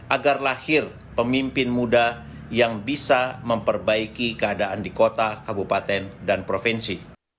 agar lahir pemimpin muda yang bisa memperbaiki keadaan di kota kabupaten dan provinsi